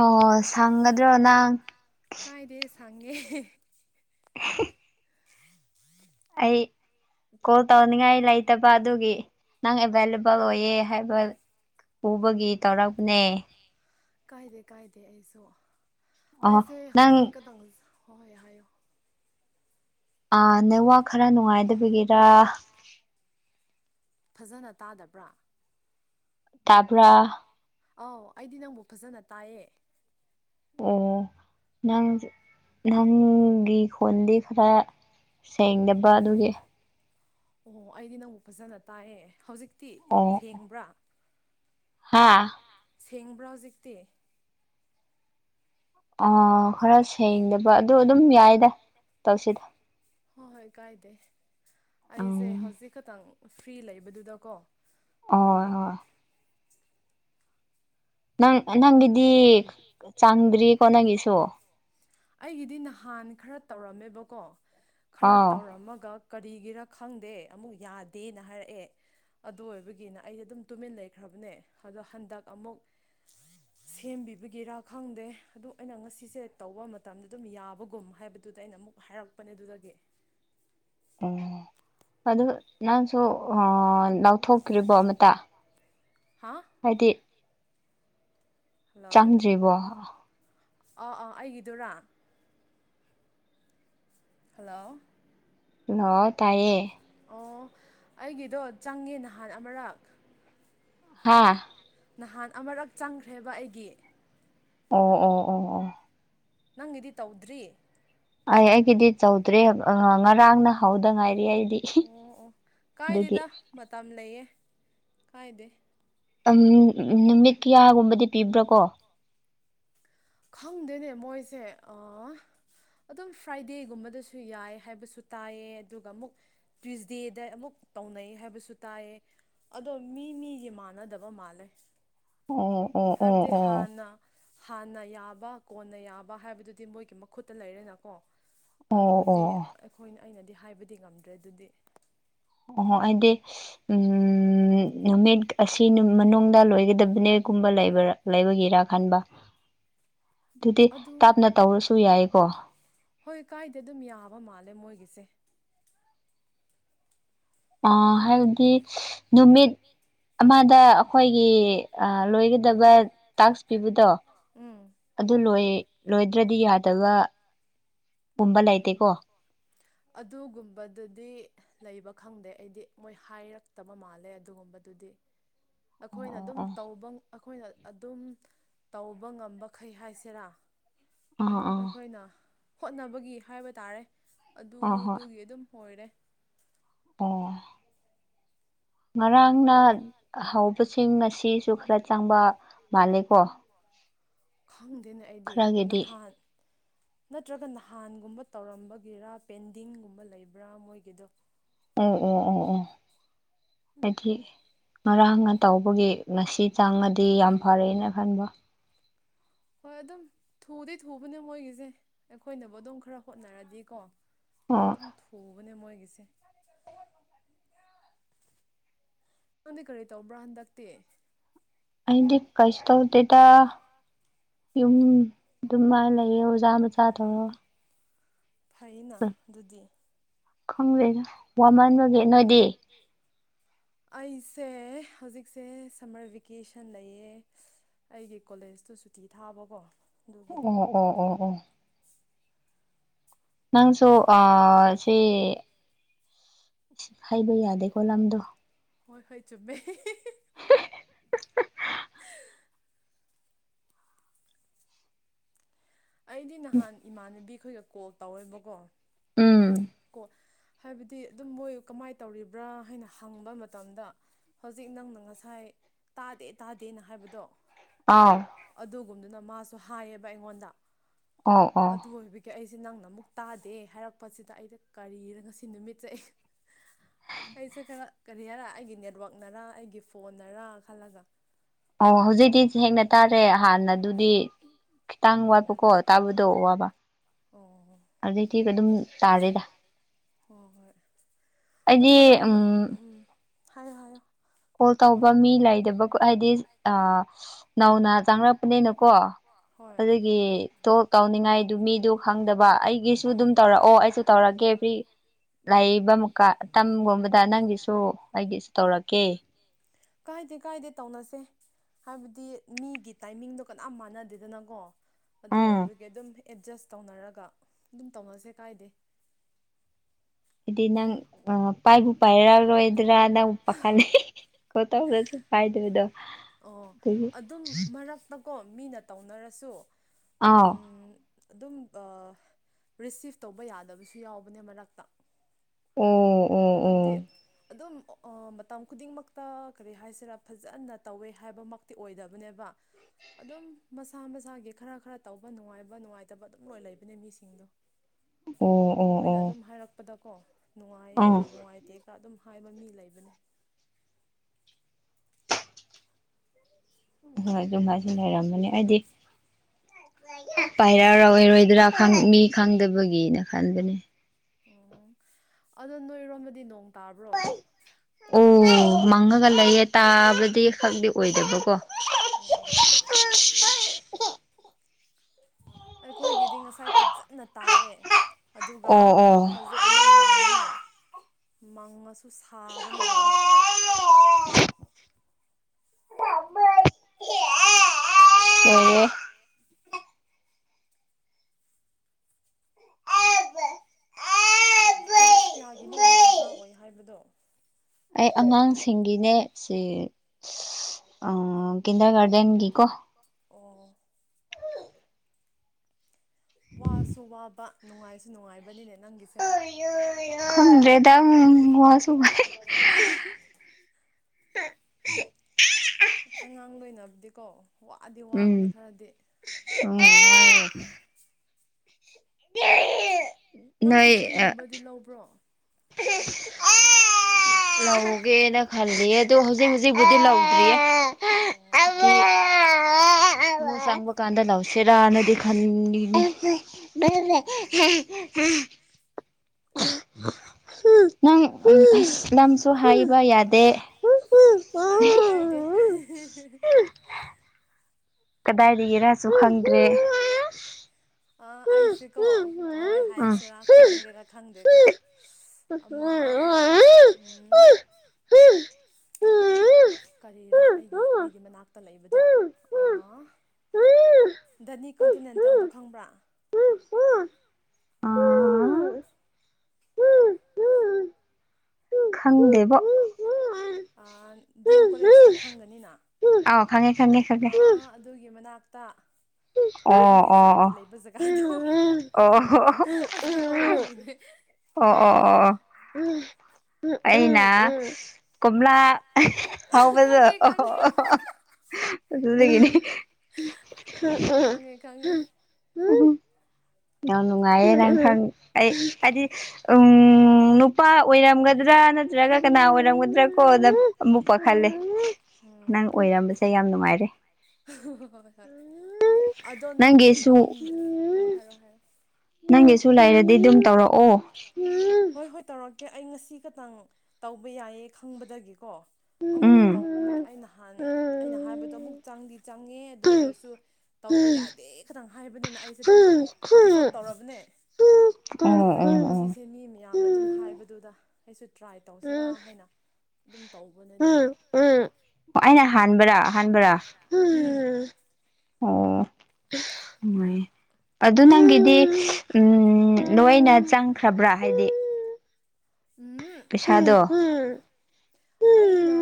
ꯑꯣ ꯁꯪꯒꯗ꯭ꯔꯣ ꯅꯪ ꯈꯪꯉꯦ [unintelligible] ꯑꯩ ꯀꯣꯜ ꯇꯧꯅꯤꯡꯉꯥꯏ ꯂꯩꯇꯕ ꯑꯗꯨꯒꯤ ꯅꯪ ꯑꯦꯚꯥꯏꯂꯦꯕꯜ ꯑꯣꯏꯌꯦ ꯍꯥꯏꯕ ꯎꯕꯒꯤ ꯇꯧꯔꯛꯄꯅꯦ ꯀꯥꯏꯗꯦ ꯀꯥꯏꯗꯦ ꯑꯩꯁꯨꯣ ꯑꯩꯁꯦ ꯍꯧꯖꯤꯛꯀꯗ ꯍꯣꯏ ꯍꯥꯏꯣ ꯑꯥ ꯅꯩ ꯋꯥ ꯈꯔ ꯅꯨꯡꯉꯥꯏꯗꯕꯤꯒꯤꯔꯥ ꯐꯖꯅ ꯇꯥꯗꯕ꯭ꯔꯥ ꯇꯄ ꯑꯥꯎ ꯑꯩꯗꯤ ꯅꯪꯕꯨ ꯐꯖꯅ ꯇꯥꯏꯌꯦ ꯑꯣ ꯅꯪ ꯅꯪꯒꯤ ꯈꯣꯟꯗꯤ ꯈꯔ ꯁꯦꯡꯗꯕ ꯑꯗꯨꯒꯤ ꯑꯣ ꯑꯩꯗꯤ ꯅꯪꯕꯨ ꯐꯖꯅ ꯇꯥꯛꯑꯦ ꯍꯧꯖꯤꯛ ꯇꯤ ꯁꯦꯡꯕ꯭ꯔꯥ ꯍꯥꯥ ꯁꯦꯡꯕ꯭ꯔꯥ ꯍꯧꯖꯤꯛꯇꯤ ꯑꯣ ꯈꯔ ꯁꯦꯡꯗꯕ ꯑꯗꯨ ꯑꯗꯨꯝ ꯌꯥꯏꯗ ꯇꯧꯁꯤꯗ ꯍꯣꯏ ꯍꯣꯏ ꯀꯥꯏꯗꯦ ꯑꯩꯁꯦ ꯍꯧꯖꯤꯛ ꯈꯛꯇꯪ ꯐ꯭ꯔꯤ ꯂꯩꯕꯗꯨꯗꯀꯣ ꯑꯗꯨꯒꯤ ꯅꯪ ꯅꯪꯒꯤꯗꯤ ꯆꯥꯡꯗ꯭ꯔꯤꯀꯣ ꯅꯪꯒꯤꯁꯨ ꯑꯩꯒꯤꯗꯤ ꯅꯍꯥꯟ ꯈꯔ ꯇꯧꯔꯝꯃꯦꯕꯀꯣ ꯈꯔ ꯇꯧꯔꯝꯃꯒ ꯀꯔꯤꯒꯤꯔ ꯈꯪꯗꯦ ꯑꯃꯨꯛ ꯌꯥꯗꯦꯅ ꯍꯥꯏꯔꯛꯑꯦ ꯑꯗꯨ ꯑꯣꯏꯕꯒꯤꯅ ꯑꯩꯗꯤ ꯑꯗꯨꯝ ꯇꯨꯃꯤꯟ ꯂꯩꯈ꯭ꯔꯕꯅꯦ ꯑꯗꯣ ꯍꯟꯗꯛ ꯑꯃꯨꯛ ꯁꯦꯝꯕꯤꯕꯒꯤꯔ ꯈꯪꯗꯦ ꯑꯗꯨ ꯑꯩꯅ ꯉꯁꯤꯁꯦ ꯇꯧꯕ ꯃꯇꯝꯗ ꯑꯗꯨꯝ ꯌꯥꯕꯒꯨꯝ ꯍꯥꯏꯕꯗꯨꯗ ꯑꯩꯅ ꯑꯃꯨꯛ ꯍꯥꯏꯔꯛꯄꯅꯦ ꯑꯗꯨꯗꯒꯤ ꯑꯣ ꯑꯗꯨ ꯅꯪꯁꯨ ꯂꯥꯎꯊꯣꯛꯇ꯭ꯔꯤꯕꯣ ꯑꯃꯇ ꯍꯥꯏꯗꯤ ꯆꯪꯗ꯭ꯔꯤꯕꯣ ꯑꯥ ꯑꯥ ꯑꯩꯒꯤꯗꯨꯔꯥ ꯍꯜꯂꯣ ꯂ ꯇꯥꯏꯌꯦ ꯑꯣ ꯑꯩꯒꯤꯗꯣ ꯆꯪꯉꯦ ꯅꯍꯥꯟ ꯑꯃꯔꯛ ꯍꯥꯥ ꯅꯍꯥꯟ ꯑꯃꯨꯔꯛ ꯆꯪꯈ꯭ꯔꯦꯕ ꯑꯩꯒꯤ ꯑꯣ ꯑꯣ ꯑꯣ ꯑꯣ ꯅꯪꯒꯤꯗꯤ ꯇꯧꯗ꯭ꯔꯤꯌꯦ ꯑꯩ ꯑꯩꯒꯤꯗꯤ ꯆꯥꯎꯧꯗ꯭ꯔꯦ ꯉꯔꯥꯡꯅ ꯍꯧꯗꯉꯥꯏ ꯑꯣ ꯑꯣ ꯀꯥꯏꯗꯗ ꯃꯇꯝ ꯂꯩꯌꯦ ꯀꯥꯏꯗꯦ ꯎꯝ ꯅꯨꯃꯤꯠ ꯀꯌꯥꯒꯨꯝꯕꯗꯤ ꯄꯤꯕ꯭ꯔꯣꯀꯣ ꯈꯪꯗꯦꯅꯦ ꯃꯣꯏꯁꯦ ꯑꯗꯨꯝ ꯐ꯭ꯔꯥꯏꯗꯦꯒꯨꯝꯕꯗꯁꯨ ꯌꯥꯏ ꯍꯥꯏꯕꯁꯨ ꯇꯥꯏꯌꯦ ꯑꯗꯨꯒ ꯑꯃꯨꯛ ꯇ꯭ꯤꯁꯗꯦꯗ ꯑꯃꯨꯛ ꯇꯧꯅꯩ ꯍꯥꯏꯕꯁꯨ ꯇꯥꯏꯌꯦ ꯑꯗꯣ ꯃꯤ ꯃꯤꯁꯦ ꯃꯥꯟꯅꯗꯕ ꯃꯥꯜꯂꯦ ꯍꯥꯏꯕꯗꯤ ꯍꯥꯟꯅ ꯍꯥꯟꯅ ꯌꯥꯕ ꯀꯣꯟꯅ ꯌꯥꯕ ꯍꯥꯏꯕꯗꯨꯗꯤ ꯃꯣꯏꯒꯤ ꯃꯈꯨꯠꯇ ꯂꯩꯔꯦꯅꯀꯣ ꯑꯗꯨꯗꯤ ꯑꯩꯈꯣꯏꯅ ꯑꯩꯅꯗꯤ ꯍꯥꯏꯕꯗꯤ ꯉꯝꯗ꯭ꯔꯦ ꯑꯗꯨꯗꯤ ꯑꯣꯍꯣ ꯍꯥꯏꯗꯤ ꯎꯝ ꯅꯨꯃꯤꯠ ꯑꯁꯤ ꯃꯅꯨꯡꯗ ꯂꯣꯏꯒꯗꯕꯅꯦꯒꯨꯝꯕꯕ ꯂꯩꯕꯒꯤꯔꯥ ꯈꯟꯕ ꯍꯣꯏ ꯀꯥꯏꯗꯦ ꯑꯗꯨꯝ ꯌꯥꯕ ꯃꯥꯜꯂꯦ ꯃꯣꯏꯒꯤ ꯁꯦ ꯑ ꯍꯥꯏꯕꯗꯤ ꯅꯨꯃꯤꯠ ꯑꯃꯗ ꯑꯩꯈꯣꯏꯒꯤ ꯂꯣꯏꯒꯗꯕ ꯇꯥꯛꯁ ꯄꯤꯕꯗꯣ ꯑꯗꯨ ꯂꯣꯏꯌꯦꯦ ꯂꯣꯏꯗ꯭ꯔꯗꯤ ꯌꯥꯗꯕꯒꯨꯝꯕ ꯂꯩꯇꯦꯀꯣ ꯑꯗꯨꯒꯨꯝꯕꯗꯨꯗꯤ ꯂꯩꯕ ꯈꯪꯗꯦ ꯑꯩꯗꯤ ꯃꯣꯏ ꯍꯥꯏꯔꯛꯇꯕ ꯃꯥꯜꯂꯦ ꯑꯗꯨꯒꯨꯝꯕꯗꯨꯗꯤ ꯑꯩꯈꯣꯏꯅ ꯑꯗꯨꯝ ꯇꯧꯕ ꯑꯩꯈꯣꯏꯅ ꯑꯗꯨꯝ ꯇꯧꯕ ꯉꯝꯕꯈꯩ ꯍꯥꯏꯁꯤꯔꯥ ꯑꯗꯨꯝ ꯑꯩꯈꯣꯏꯅ ꯍꯣꯠꯅꯕꯒꯤ ꯍꯥꯏꯕ ꯇꯥꯔꯦ ꯑꯗꯨꯗꯨꯒꯤ ꯑꯗꯨꯝ ꯑꯣꯏꯣꯏꯔꯦ ꯑꯣ ꯉꯔꯥꯡꯅ ꯍꯧꯕꯁꯤꯡ ꯑꯁꯤꯁꯨ ꯈꯔ ꯆꯪꯕ ꯃꯥꯜꯂꯦꯀꯣ ꯈꯪꯗꯦꯅ ꯑꯩꯗꯤ ꯅꯍꯥꯟ ꯅꯠꯇ꯭ꯔꯒ ꯅꯍꯥꯟꯒꯨꯝꯕ ꯇꯧꯔꯝꯕꯒꯤꯔ ꯄꯦꯟꯗꯤꯡꯒꯨꯝꯕ ꯂꯩꯕ꯭ꯔꯥ ꯃꯣꯏꯒꯤꯗꯣ ꯑꯣ ꯑꯣ ꯑꯣ ꯑꯣ ꯍꯥꯏꯗꯤ ꯉꯔꯥꯡꯅ ꯇꯧꯕꯒꯤ ꯉꯁꯤ ꯆꯥꯡꯅꯗꯤ ꯌꯥꯝ ꯐꯔꯦꯅ ꯈꯟꯕ ꯍꯣꯏ ꯑꯗꯨꯝ ꯊꯨꯗꯤ ꯊꯨꯕꯅꯦ ꯃꯣꯏꯒꯤꯁꯦ ꯑꯩꯈꯣꯏꯅꯕꯨ ꯑꯗꯨꯝ ꯈꯔ ꯍꯣꯠꯅꯔꯗꯤꯀꯣ ꯝ ꯊꯨ ꯃ ꯃꯣꯏ ꯁꯦ ꯅꯪꯗꯤ ꯀꯔꯤ ꯇꯧꯕ꯭ꯔꯥ ꯍꯟꯗꯛꯇꯤ ꯑꯗꯤ ꯀꯩꯁ ꯇꯧꯗ ꯇ ꯌꯨꯝ ꯑꯗꯨꯝ ꯃꯥꯥꯏꯅ ꯂꯩꯌꯦ ꯑꯣꯖꯥ ꯃꯆꯥ ꯇꯧꯔ ꯐꯩꯩꯅ ꯑꯗꯨꯗꯤ ꯈꯣꯡ꯭ꯔꯦꯗ ꯋꯥꯃꯟꯕꯒꯦ ꯅꯣꯏꯗꯤ ꯑꯩꯁꯦ ꯍꯧꯖꯤꯛꯁꯦ ꯁꯝꯃꯔ ꯚꯦꯀꯦꯁꯟ ꯂꯩꯌꯦ ꯑꯩꯒꯤ ꯀꯣꯂꯦꯖꯇ ꯁꯨꯇꯤ ꯊꯥꯕꯀꯣ ꯎꯝ ꯎꯝ ꯎꯝ ꯎꯝ ꯅꯪꯁꯨ ꯑ ꯁꯤꯦ ꯍꯥꯏꯩꯕ ꯌꯥꯗꯦꯀꯣ ꯂꯝꯗꯣ ꯍꯣꯏ ꯍꯣꯏ ꯆꯨꯝꯃꯦ ꯑꯩꯗꯤ ꯅꯍꯥꯟ ꯏꯃꯥꯟꯅꯕꯤꯈꯣꯏꯒ ꯀꯣꯜ ꯇꯧꯋꯦꯕꯀꯣ ꯎꯝ ꯀꯣ ꯍꯥꯏꯕꯗꯤ ꯑꯗꯨꯝ ꯃꯣꯏ ꯀꯃꯥꯏꯅ ꯇꯧꯔꯤꯕ꯭ꯔꯥ ꯍꯥꯏꯅ ꯍꯪꯕ ꯃꯇꯝꯗ ꯍꯧꯖꯤꯛ ꯅꯪꯅ ꯉꯁꯥꯏ ꯇꯥꯗꯦ ꯇꯥꯗꯦꯅ ꯍꯥꯏꯕꯗꯣ ꯑꯥ ꯨꯝꯗꯨꯅ ꯃꯥꯁꯨ ꯍꯥꯏꯌꯦꯕ ꯑꯩꯉꯣꯟꯗ ꯑꯗꯨ ꯑꯣꯏꯕꯒꯤꯦ ꯑꯩ ꯁꯤ ꯅꯪꯅ ꯑꯃꯨꯛ ꯇꯥꯗꯦ ꯍꯥꯏꯔꯛꯄꯁꯤꯗ ꯑꯩꯗ ꯀꯔꯤꯅ ꯉꯁꯤ ꯅꯨꯃꯤꯠꯁꯦ ꯑꯩ ꯑꯩꯁꯨ ꯀ ꯀꯔꯤ ꯍꯥꯏꯔ ꯑꯩꯒꯤ ꯅꯦꯠꯋꯥꯛꯅꯔ ꯑꯩꯒꯤ ꯐꯣꯟꯅꯔꯥ ꯈꯜꯂꯒ ꯑꯣ ꯍꯧꯖꯤꯛꯇꯤ ꯊꯦꯡꯅ ꯇꯥꯔꯦ ꯍꯥꯟꯅ ꯑꯗꯨꯗꯤ ꯈꯤꯇꯪ ꯋꯥꯠꯄꯀꯣ ꯇꯥꯕꯗꯣ ꯋꯥꯕ ꯑꯗꯨꯗꯩꯗꯤ ꯑꯗꯨꯝ ꯇꯥꯔꯦꯗ ꯍꯣꯏ ꯍꯣꯏ ꯑꯗꯨꯝ ꯃꯅ ꯎꯝ ꯍꯥꯏꯣ ꯍꯥꯏꯣ ꯀꯣꯜ ꯇꯧꯕ ꯃꯤ ꯂꯩꯗꯕ ꯍꯥꯏꯗꯤ ꯅꯧꯅ ꯆꯪꯂꯅꯔꯛꯄꯅꯦꯅꯀꯣ ꯑꯗꯨꯒꯤ ꯣ ꯇꯧꯅꯤꯡꯉꯥꯏꯗꯨ ꯃꯤꯗꯨ ꯈꯪꯗꯕ ꯑꯩꯒꯤꯁꯨ ꯑꯗꯨꯝ ꯇꯧꯔꯛꯑꯣ ꯑꯩꯁꯨ ꯇꯧꯔꯛꯒꯦ ꯐꯔꯤ ꯂꯩꯕ ꯃꯨꯛꯀ ꯇꯝꯒꯨꯝꯕꯗ ꯅꯪꯒꯤꯁꯨ ꯑꯩꯒꯤꯁꯨ ꯇꯧꯔꯛꯀꯦ ꯀꯦ ꯀꯥꯏꯗꯦ ꯀꯥꯏꯗꯦ ꯇꯧꯅꯁꯦ ꯍꯥꯏꯕꯗꯤ ꯃꯤꯒꯤ ꯇꯥꯏꯃꯤꯡꯗꯣ ꯀꯅꯥꯝ ꯃꯥꯟꯅꯗꯦꯗꯅꯀꯣ ꯑꯗꯨ ꯑꯣꯏꯕꯒꯤ ꯑꯗꯨꯝ ꯑꯦꯗꯖꯁ ꯇꯧꯅꯔꯒ ꯑꯗꯨꯝ ꯇꯧꯅꯁꯦ ꯀꯥꯏꯗꯦ ꯍꯥꯏꯗꯤ ꯅꯪ ꯑ ꯄꯥꯏꯕꯨ ꯄꯥꯏꯔꯥꯎꯔꯣꯏꯗ꯭ꯔꯥ ꯅꯪ ꯄꯥꯈꯥꯅꯦ ꯀꯠꯇꯧꯔꯁꯨ ꯐꯥꯏꯗꯗꯣ ꯑꯣ ꯑꯗꯨꯝ ꯃꯔꯛ ꯀꯣ ꯃꯤꯅ ꯇꯧꯅꯔꯁꯨ ꯑꯥꯎ ꯑꯗꯨꯝ ꯔꯤꯁꯤꯞ ꯇꯧꯕ ꯌꯥꯗꯕꯁꯨ ꯌꯥꯎꯕꯅꯦ ꯃꯔꯛꯇ ꯑꯣ ꯍꯥꯏꯕꯗꯤ ꯑꯗꯨꯝ ꯃꯇꯝ ꯈꯨꯗꯤꯡꯃꯛꯇ ꯀꯔꯤ ꯍꯥꯏꯁꯤꯔꯥ ꯐꯖꯟꯅ ꯇꯧꯋꯦ ꯍꯥꯏꯕꯃꯛꯇꯤ ꯑꯣꯏꯗꯕꯅꯦꯕ ꯑꯗꯨꯝ ꯃꯁꯥ ꯃꯁꯥꯒꯤ ꯈꯔ ꯈꯔ ꯇꯧꯕ ꯅꯨꯡꯉꯥꯏꯕ ꯅꯨꯡꯉꯥꯏꯇꯕ ꯑꯗꯨꯝ ꯂꯣꯏ ꯂꯩꯕꯅꯦ ꯃꯤꯁꯤꯡꯗꯣ ꯑꯣ ꯑꯣ ꯑꯣ ꯀꯣ ꯀ ꯅꯨꯡꯉꯥꯏꯇꯦꯒ ꯑꯗꯨꯝ ꯍꯥꯏꯕ ꯃꯤ ꯂꯩꯕꯅꯤ ꯍꯣꯏ ꯑꯗꯨꯝꯥꯏꯁꯨ ꯂꯩꯔꯝꯕꯅꯤ ꯍꯥꯏꯗꯤ ꯄꯥꯏꯔꯛꯑꯔꯑꯣꯔꯣꯏꯗꯔꯥ ꯃꯤ ꯈꯪꯗꯕꯒꯤꯅ ꯈꯟꯕꯅꯦ ꯎꯝ ꯑꯗꯣ ꯅꯣꯏꯔꯣꯝꯝꯕꯗꯤ ꯅꯣꯡ ꯇꯥꯕ꯭ꯔꯣ ꯃꯪꯉꯒ ꯂꯩꯌꯦ ꯇꯥꯕꯗꯤ ꯈꯛꯇꯗꯤ ꯑꯣꯏꯗꯕꯀꯣ ꯎ ꯑꯩꯈꯣꯏꯒꯤꯗꯤ ꯉꯁꯥꯏ ꯐꯖꯅ ꯇꯥꯏꯑ ꯑꯗꯨꯒ ꯍꯧꯖꯤꯛ ꯑꯃꯨꯛ ꯃꯪꯉꯦ ꯃꯪꯉꯁꯨ ꯁꯥꯕꯅ ꯂꯣꯏꯔꯦ ꯎ ꯀ꯭ꯂꯥꯁ ꯀꯌꯥꯒꯤꯅꯣ ꯅꯪ ꯑꯣꯖꯥ ꯑꯣꯏ ꯍꯥꯏꯕꯗꯣ ꯑꯩ ꯑꯉꯥꯡꯁꯤꯡꯒꯤꯅꯦ ꯁꯤ ꯀꯤꯟꯗꯔ ꯒꯥꯔꯗꯦꯟꯒꯤꯀꯣ ꯋꯥꯁꯨꯋꯥꯕ ꯅꯨꯡꯉꯥꯏꯔꯁꯨ ꯅꯨꯡꯉꯥꯏꯕꯅꯤꯅꯦ ꯅꯪꯒꯤꯁꯦ ꯂꯩꯦꯗꯝ ꯋꯥꯁꯨꯃꯥꯏ ꯑꯉꯥꯡ ꯂꯣꯏꯅꯕꯗꯤꯀꯣ ꯋꯥꯗꯤ ꯋꯥꯕꯅꯦ ꯈꯔꯗꯤ ꯅꯪ ꯇꯨꯏꯁꯟꯒꯨꯝꯕꯗꯤ ꯂꯧꯕ꯭ꯔꯣ ꯂꯧꯒꯦꯅ ꯈꯜꯂꯤ ꯑꯗꯣ ꯍꯧꯖꯤꯛ ꯍꯧꯖꯤꯛꯕꯨꯗꯤ ꯂꯧꯗ꯭ꯔꯤ ꯑꯣ ꯆꯪꯕ ꯀꯥꯟꯗ ꯂꯥꯎꯁꯦꯔꯥꯅꯗꯤ ꯈꯟꯅꯤ ꯦ ꯎ ꯅꯪ ꯎ ꯅꯁꯨ ꯍꯥꯏꯕ ꯌꯥꯗꯦ ꯀꯗꯥꯏꯗꯒꯤꯔꯁꯨ ꯈꯪꯗ꯭ꯔꯦ ꯑꯩꯁꯦꯀꯣ ꯀꯃꯏ ꯍꯥꯏꯁꯤꯔꯥ ꯈꯪꯒꯦꯔꯥ ꯈꯪꯗꯦꯀꯣ ꯑꯃ ꯎ ꯀꯔꯤꯔꯥ ꯑꯩꯒꯤ ꯑꯩꯒꯤ ꯃꯅꯥꯛꯇ ꯂꯩꯕ ꯑꯗꯣ ꯗꯅꯤ ꯀꯣꯟꯇꯤꯅꯦꯟꯇꯦꯜꯗꯣ ꯈꯪꯕ꯭ꯔꯥ ꯎꯝ ꯎ ꯎ ꯈꯪꯗꯦꯕ ꯎ ꯎ ꯗꯤ ꯑꯦꯝ ꯀꯣꯂꯦꯖꯇꯤ ꯈꯪꯒꯅꯤꯅ ꯑ ꯑꯗꯨꯒꯤ ꯃꯅꯥꯛꯇ ꯨ ꯇꯇꯥ ꯑꯣ ꯑꯣ ꯑꯣ ꯑꯣ ꯑꯣ ꯑꯣ ꯑꯩꯅꯥ ꯀ‌ꯣꯝꯂ ꯍꯥꯎꯕꯖ ꯑꯣ ꯑꯗꯨꯗꯒꯤꯅꯤ [unintelligible] [unintelligible] ꯍ ꯎ ꯌꯥꯝ ꯅꯨꯡꯉꯥꯏꯌꯦ ꯅꯪ ꯈꯪ ꯑꯩ ꯍꯥꯏꯗꯤ ꯎꯝ ꯅꯨꯄꯥ ꯑꯣꯏꯔꯝꯒꯗ꯭ꯔꯥ ꯅꯠꯇ꯭ꯔꯒ ꯀꯅꯥ ꯑꯣꯏꯔꯝꯒꯗ꯭ꯔꯥ ꯀꯣꯗ ꯑꯃꯨꯛ ꯄꯈꯠꯂꯦ꯫ ꯎꯝ ꯍꯣꯏ ꯍꯣꯏ ꯑꯗꯣ ꯅꯪꯒꯤ ꯂꯣꯟ ꯑꯥ ꯍꯥꯏꯔꯣ ꯍꯥꯏꯔꯣ ꯅꯪꯒꯤꯁꯨ ꯂꯩꯔꯗꯤ ꯑꯗꯨꯝ ꯇꯧꯔꯛꯑꯣ꯫ ꯑꯣꯀꯦ ꯑꯩ ꯉꯁꯤ ꯈꯇꯪ ꯇꯧꯕ ꯌꯥꯏꯌꯦ ꯈꯪꯕꯗꯒꯤ ꯀꯣ ꯑꯃꯨꯀ ꯇꯅꯦ ꯑꯩꯅ ꯍꯥꯟ ꯑꯩꯅ ꯍꯥꯏꯕꯗꯣ ꯑꯃꯨꯛ ꯆꯪꯗꯤ ꯆꯪꯉꯦ ꯑꯗꯨ ꯑꯣꯏꯔꯁꯨ ꯇꯧꯕ ꯌꯥꯗꯦ ꯈꯥꯇꯪ ꯍꯥꯏꯕꯅꯤꯅ ꯑꯩꯁꯦ ꯑꯗꯨꯝ ꯈ ꯎ ꯁꯤ ꯃꯤ ꯃꯌꯥꯝꯅ ꯑꯗꯨꯝ ꯍꯥꯏꯕꯗꯨꯗ ꯑꯩꯁꯨ ꯇ꯭ꯔꯥꯏ ꯇꯧꯁꯤꯔꯥ ꯍꯥꯏꯅ ꯑꯗꯨꯝ ꯇꯧꯕꯅꯦ ꯑꯗꯨꯗ ꯑꯣ ꯑꯩꯅ ꯑꯍꯥꯟꯕꯔꯥ ꯑꯍꯥꯟꯕꯔꯥ ꯎꯝ ꯑꯣ꯫ ꯃꯣꯏ ꯑꯗꯨ ꯅꯪꯒꯤꯗꯤ ꯎ ꯂꯣꯏꯅ ꯆꯪꯈ꯭ꯔꯕ꯭ꯔꯥ ꯍꯥꯏꯗꯤ ꯎꯝ ꯑꯩꯅ ꯑꯩꯅ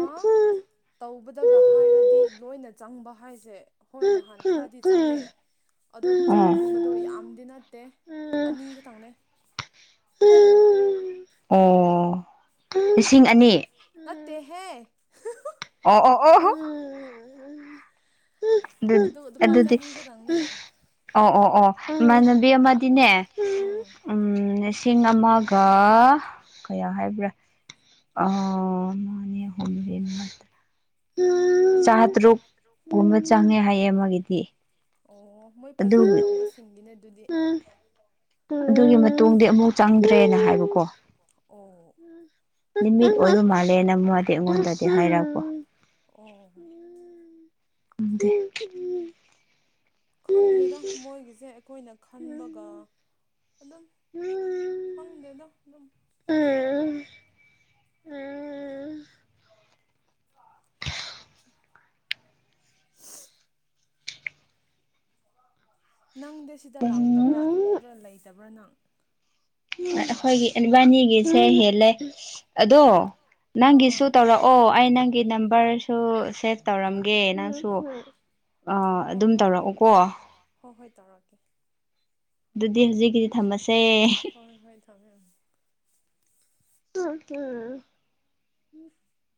ꯇꯧꯕ ꯑꯗꯨꯒ ꯍꯥꯏꯔꯗꯤ ꯂꯣꯏꯅ ꯆꯪꯕ ꯍꯥꯏꯁꯦ ꯍꯣꯏ ꯅꯍꯥꯟ ꯈꯔꯗꯤ ꯆꯪꯉꯦ ꯑꯗꯨ ꯆꯪꯕꯗꯣ ꯌꯥꯝꯗꯤ ꯅꯠꯇꯦ ꯑꯅꯤ ꯈꯛꯇꯪꯅꯦ꯫ ꯑꯣ ꯅꯠꯇꯦ ꯍꯦ ꯑꯣ ꯑꯣ ꯑꯣ ꯑꯗꯨꯗꯤ ꯑꯣ ꯑꯣ ꯑꯣ ꯏꯃꯥꯟꯅꯕꯤ ꯑꯃꯗꯤꯅꯦ ꯎꯝ ꯂꯤꯁꯤꯡ ꯑꯃꯒ ꯀꯌꯥ ꯍꯥꯏꯕ꯭ꯔꯥ ꯑꯃꯅꯤ ꯑꯍꯨꯝꯃꯥꯔꯤ ꯆꯥꯇꯔꯨꯛ ꯀꯨꯝꯕ ꯆꯪꯉꯦ ꯍꯥꯏꯌꯦ ꯑꯃꯒꯤꯗꯤ꯫ ꯑꯣ ꯃꯣꯏ ꯐꯖꯅ ꯇꯧꯕꯁꯤꯡꯒꯤꯅꯦ ꯑꯗꯨꯗꯤ ꯑꯗꯨꯒꯤ ꯃꯇꯨꯡꯗꯤ ꯑꯃꯨꯛ ꯆꯪꯗ꯭ꯔꯦꯅ ꯍꯥꯏꯕꯀꯣ꯫ ꯑꯣ꯫ ꯅꯨꯃꯤꯠ ꯑꯣꯏꯔ ꯃꯥꯜꯂꯦ ꯅ ꯃꯥꯗꯤ ꯑꯩꯉꯣꯟꯗꯗꯤ ꯍꯥꯏꯔꯛꯄꯣ ꯑꯣ ꯎꯗ ꯑ ꯅꯪꯗꯤ ꯁꯤꯗ ꯂꯥꯛꯇꯕ꯭ꯔꯥ ꯅꯗ꯭ꯔ ꯂꯩꯇꯕ꯭ꯔꯥ ꯅꯪ ꯎꯝꯗ ꯑꯩꯈꯣꯏꯒꯤ ꯏ ꯏꯕꯥꯅꯤꯒꯤꯁꯦ ꯍꯦꯜꯂꯦ ꯑꯗꯣ ꯅꯪꯒꯤꯁꯨ ꯇꯧꯔꯛꯑꯣ ꯑꯩ ꯅꯪꯒꯤ ꯅꯝꯕꯔꯁꯨ ꯁꯦꯠ ꯇꯧꯔꯝꯒꯦꯅꯪꯁꯨ ꯑꯥ ꯑꯗꯨꯝ ꯇꯧꯔꯛꯎꯀꯣ ꯑꯗꯨꯗꯤ ꯍꯧꯖꯤꯛꯀꯤꯗꯤ ꯊꯝꯃꯁꯦ ꯊꯃꯦ ꯦ